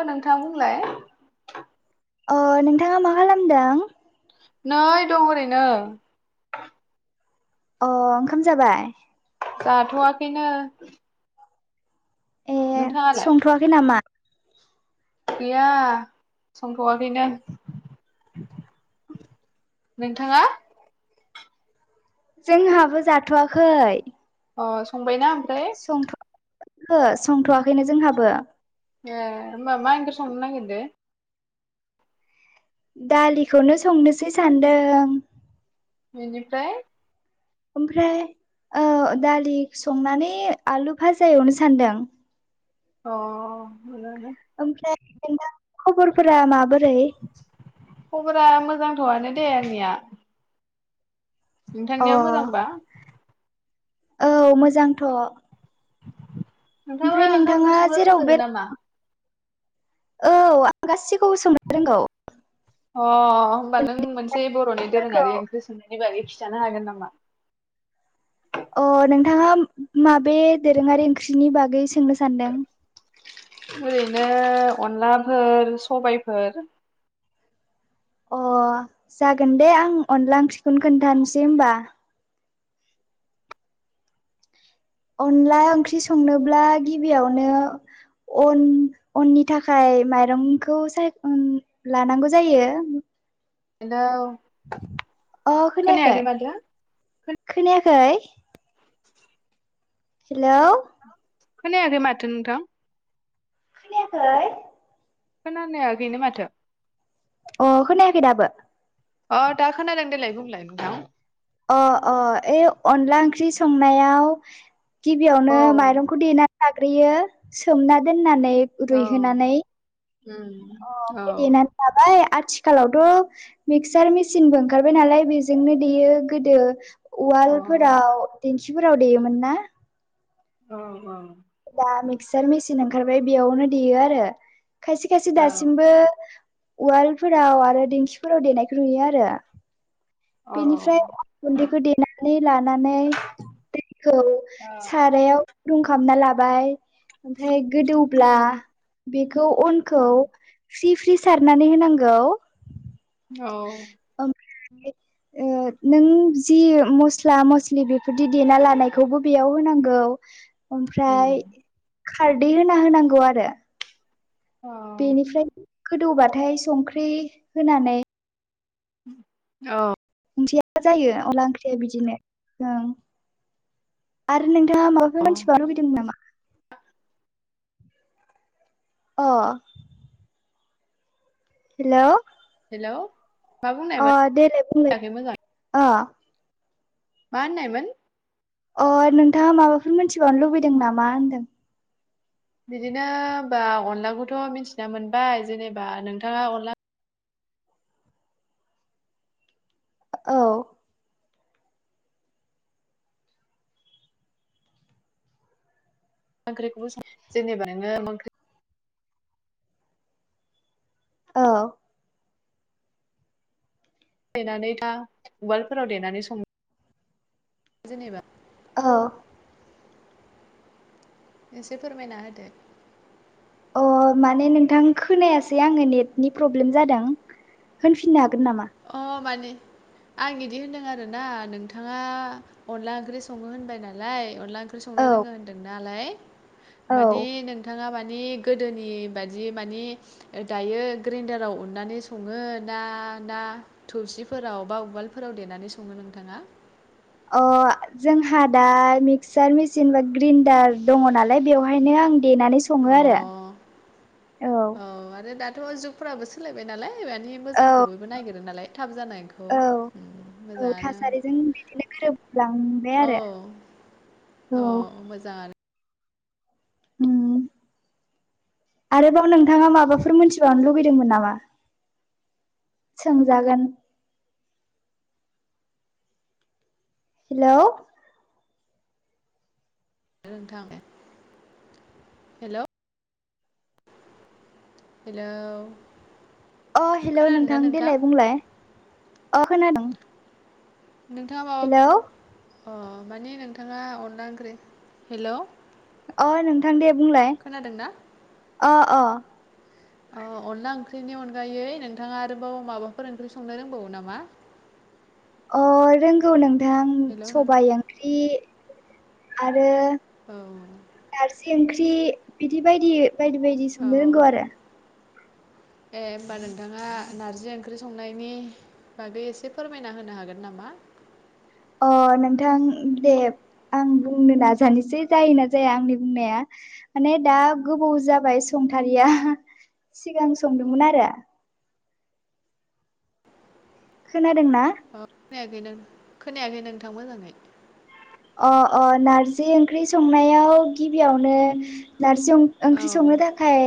अ नोंथां बुंलाय अ नोंथाङा मा खालामदों? नै दं ओरैनो अ ओंखाम जाबाय? जाथ'वाखैनो ए नोंथाङालाय संथ'वाखै नामा? गैया संथ'वाखैनो [inaudible] [inaudible] नोंथाङा? जोंहाबो जाथ'वाखै अ संबाय ना? संथ' खो संथ'वाखैनो जोंहाबो। ए होमबा मा ओंख्रि संनो नागिरदो? दालिखौनो संनोसै सान्दों। बेनिफ्राय? ओमफ्राय औ दालि संनानै आलु भाजा एवनो सानदों। अ। ओमफ्राय नों दा खबरफोरा माबोरै। खबरा मोजांथ' आनो दे आंनिया। अ नोंथांनिया मोजांबा? औ मोजांथ'। नोंथांहा ओमफ्राय ओंखाम नोंथाङा ओंख्रि संनो जेराव बे रोंजोबो नामा? औ आं गासिखौबो सोंनो रोंगौ। अ होमबा नों मोनसे बर'नि फोरखौ दोरोङारि ओंख्रि संनायनि बागै जानो हागोन नामा? अ नोंथाङा माबे दोरोङारि ओंख्रिनि बागै सोंनो सान्दों ओरैनो अनलाफोर सबायफोर अ जागोन दे आं अनला ओंख्रिखौनो खोन्थानोसै होमबा अनला ओंख्रि संनोब्ला गिबियावनो अन अननि थाखाय माइरंखौ साय लानांगौ जायो। बिना अ खोनायाखै माथो खोनायाखै हेलौ। खोनायाखै माथो नोंथां खोनायाखै खोनानायाखैनो माथो। अ खोनायाखै दाबो। अ दा खोनादों देलाय बुंलाय नोंथां। अ अ ओइ अनला ओंख्रि संनायाव गिबियावनो औ माइरंखौ देनानै लाग्रोयो सोमना दोननानै ओइ औ रुइहोनानै अ उम औ ओमफाय देनानै लाबाय आथिखालावथ' मिक्सार मेसिनबो ओंखारबाय नालाय बेजोंनो देयो गोदो औ उवालफोराव दिंखिफोराव देयोमोन ना। औ औ। दा मिक्सार मेचिन ओंखारबाय बेयावनो देयो आरो। खायसे खायसे औ दासिमबो उवालफोराव आरो दिंखिफोराव देनायखौ नुयो आरो। औ बेनिफ्राय गुन्दैखौ देनानै लानानै दैखौ सारायाव गुदुंखामना लाबाय ओमफ्राय गोदौब्ला बेखौ अनखौ सि थ्रि सारनानै होनांगौ। औ। [inaudible] ओ नों जि मस्ला मस्लि बेफोरदि देना लानायखौबो बेयाव होनांगौ। उम ओमफ्राय खारदै होना होनांगौ आरो। औ बेनिफ्राय गोदौबाथाय संख्रि होनानै औ। [unintelligible] जायो अनला ओंख्रिया बिदिनो ओं आरो नों दा माबाफोर मोनथिबावनो लुुबैदोंमोन नामा? अ। Hello hello. मा अ बुंनायमोन देलाय बुंलाय खोनायाखै मोजाङै अ। मा होननायमोन अ नोंथाङा माबाफोर मिथिबावनो लुबैदों नामा होनदों बिदिनो होनबा अनलाखौथ' मिथिना मोनबाय जेनेबा नोंथाङा अनला औ ओंख्रिखौबो जेनेबा नोङो ओंख्रि औ देनानै दा उवालफोराव देनानै सङो जेनेबा औ एसे फोरमायना होदो। अ माने नोंथां खोनायासै आङो नेटनि प्रब्लेम जादों। होनफिन हागोन? नामा? अ मानि आं बिदि होनदों आरोना नोंथाङा अनला ओंख्रि सङो होनबाय नालाय। अनला ओंख्रि संनो औ रोङो होनदों नालाय। मानि औ नोंथाङा मानि मानि गोदोनि बादि, मानि दायो ग्रेन्दाराव उननानै सङो ना ना थौसिफोराव बा उवालफोराव देनानै सङो नोंथाङा? अ जोंहा दा मिक्सार मेसिन बा ग्रेन्डार दङ नालाय। बेवहायनो आं देनानै सङो अ आरो औ। दाथ' जुगफोराबो सोलायबाय नालाय। मानि मोजांखौ औ बयबो नागिरो नालाय थाब जानायखौ औ औ मोजाङानो। थासारिजों बिदिनो गोरोबलांबाय औ आरो। औ मोजां। उम। आरोबाव नोंथाङा माबाफोर मोनथिबावनो लुबैदोंमोन नामा? सोंजागोन? हेल'। नोंथां हेल'। हेल'। अ हेलौ नोंथां देलाय बुंलाय। अ खोनादों। नोंथाङा माबा बुं, हेलौ अ मानि नोंथाङा अनला ओंख्रि, हेल'। अ नोंथां दे बुंलाय खोनादोंना अ अ। अनला ओंख्रिनि अनगायै नोंथाङा आरोबाव माबाफोर ओंख्रि संनो रोंबावो नामा? [inaudible] अ रोंगौ नोंथां हेलौ नों सबाय ओंख्रि आरो औ। नारजि ओंख्रि बिदि बायदि -बायदि- बायदि औ संनो रोंगौ आरो। ए होमबा नोंथाङा, नारजि ओंख्रि संनायनि बागै एसे फोरमायना होनो हागोन नामा? अ। नोंथां दे, आं बुंनो नाजानोसै जायोना जाया आंनि बुंनाया [unintelligible] माने दा गोबाव जाबाय संथारिया। सिगां संदोंमोन आरो। खोनादोंना? खोनायाखै नों खोनायाखै नोंथां? मोजाङै अ अ नारजि ओंख्रि संनायाव गिबियावनो नारजि औ ओंख्रि संनो थाखाय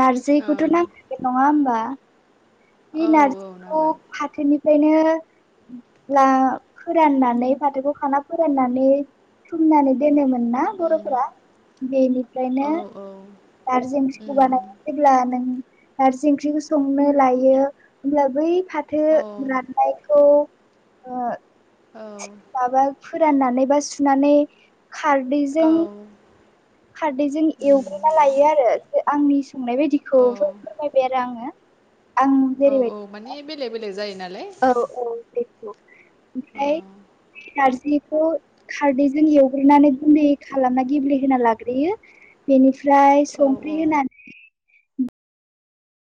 नार्जिखौथ' ओं नांखागौ नङा होमबा? बे औ औ नारजिखौ नांगोन फाथोनिफ्रायनो [unintelligible] फोराननानै फाथोखौ खाना फोराननानै सुमनानै दोनोमोन। ना उम बर'फोरा बेनिफ्रायनो औ औ नारजि ओंख्रिखौ उम बानाया जेब्ला नों नारजि ओंख्रिखौ संनो लायो होमब्ला बै फाथो औ राननायखौ ओ माबा औ। फोराननानै बा सुनानै औ खारदैजों खारदैजों उम एवग्रोना लायो आरो आंनि संनाय औ बायदिखौबो फोरमायबाय आरो आङो। आं औ औ जेरैबायदि मानि बेलेग-बेलेग जायो। नालाय औ औ बेखौ औ ओमफ्राय, बे नारजि [unintelligible] खारदैजों एवग्रोनानै गुन्दै खालामना गेब्लेहा लाग्रोयो बेनि ओमफ्राय औ संख्रि होनानै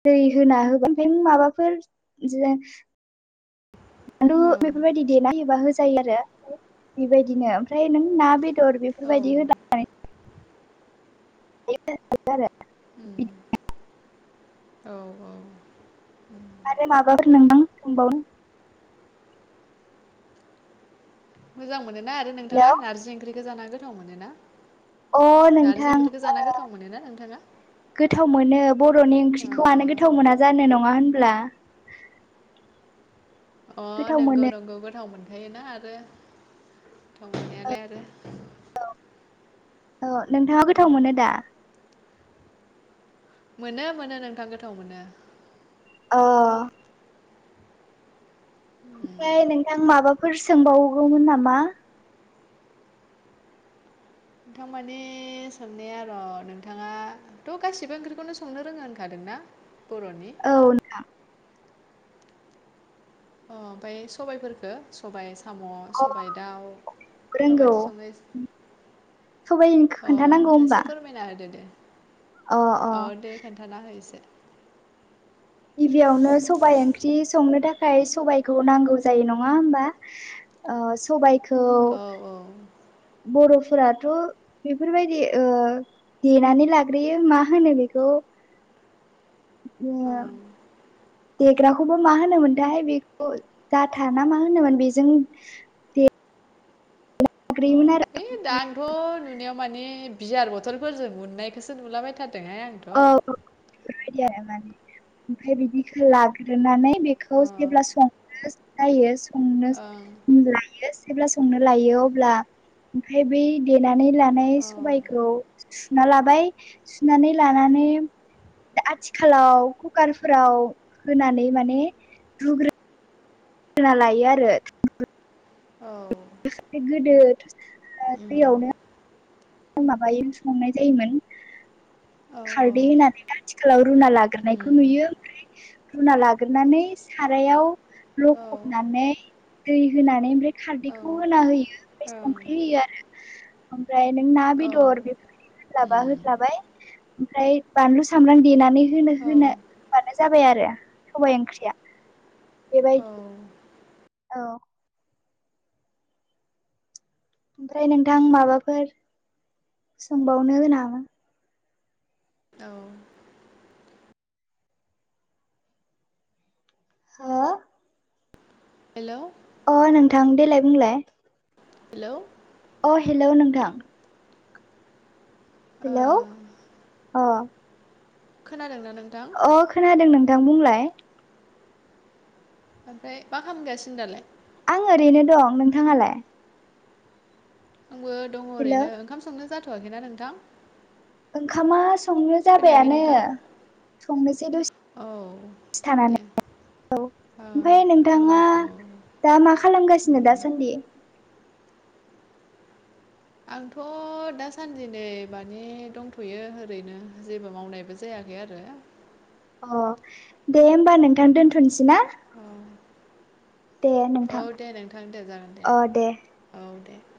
दै होना होबाय ओमफाय माबाफोर जे आरू औ बेफोरबायदि देना होबा होजायो आरो बेबायदिनो ओमफ्राय नों ना बे दर औ बेफोरबायदि होदा उम औ [unintelligible] औ आरो माबाफोर नोंदां सोंबावनो मोजां मोनोना आरो हेलौ नोंथाङा नारजि ओंख्रिखौ जाना गोथाव मोनोना अ नारजि नोंथां ओंख्रिखौ जाना गोथाव मोनोना नोंथाङा गोथाव मोनो बर'नि अ ओंख्रिखौ आनो गोथाव मोना जानो नङा होनब्ला अ गोथाव नंगौ मोनो नंगौ गोथाव मोन खायोना आरो गोथाव मोननायालाय आरो औ नोंथाङा गोथाव मोनो दा मोनो मोनो नोंथां गोथाव मोनो अ उम ओमफ्राय नोंथां माबाफोर सोंबावगौमोन नामा नोंथां माने सोंनाया र' नोंथाङाथ' गासिबो ओंख्रिखौनो संनो रोङो होनखादों ना औ नोंथां अ ओमफाय सबायफोरखौ सबाय सा साम' अ सबाय दाउ रोंगौ माबादि संनाय जा सबाइनि अ खोन्थानांगौ होमबा एसे फोरमायना होदो दे अ दे खोन्थाना हो एसे गिबियावनो सबाइ ओंख्रि संनो था खाय सबायखौ नांगौ जायो नङा होमबा ओ सबायख खौ औ औ बर'फोरा थ' बेफोरबायदि देनानै लाग्रोयो मा होनो बेखौ ओ ओं देग्राखौबो मा होनोमोनथाय बेखौ जाथा ना मा होनोमोन बेजों दे अ आरो ओइ दा आंथ' नुनायाव मानि बियार बथलफोरजों उननायखोसो नुलाबायथारो आंथ' औ बेबायदि आरो माने ओमफ्राय बिदिखो लाग्रोनानै बेखौ जेब्ला सं नो जायो। ओं संनो लायो जेब्ला संनो लायो अब्ला ओमफ्राय बै देनानै लानाय सबायखौ सुना लाबाय सुनानै लानानै आथिखालाव कुकारफोराव होनानै माने रुग्रो ना लायो आरो औ गोदो ओ उम दैयावनो माबायो संनाय जायोमोन औ औ खारदै होननानै आथिखालाव रुना उम लाग्रोनायखौ नुयो ओमफ्राय रुना लाग्रनानै सारायाव औ ल'खबनानै दै होनानै ओमफ्राय औ ओं खारदैखौ होना होयो ओमफ्राय संख्रि होयो आरो ओमफ्राय नों ना औ बेदर [unintelligible] होबा उम होबाय ओमफ्राय बानलु सामब्राम देनानै नो औ जाबाय आरो सबाइ ओंख्रिया बेबायदि औ औ। ओमफ्राय नोंथां माबाफोर सोंबावनो हो नामा औ। हो हेलौ। अ नोंथां देलाय बुंलाय। हेलौ अ हेलौ नोंथां। ओ हेलौ अ। खोनादों ना नों? अ खोनादों नोंथां बुंलाय। ओमफ्राय मा खालामगासिनो दालाय? आं ओरैनो दं नोंथाङालाय? आंबो दङ हेलौ ओरैनो ओंखाम संनो जाथ'वाखैना नोंथां? ओंखामा संनो खोनायाखै जाबायानो नोंथां संनो औ दे। औ औ ओमफ्राय औ नोंथाङा औ दा मा खालामगासिनो उम दासान्दि? आंथ' दासानदि नै माने दंथ'यो ओरैनो जेबो मावनायबो जाया यै आरो। अ दे होमबा नोंथां दोनथ'नोसै ना? औ दे औ नोंथां दे नोंथां दे जागोन दे औ दे। [inaudible]